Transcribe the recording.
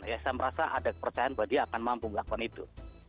ya saya merasa ada kepercayaan bahwa dia akan mampu melakukan itu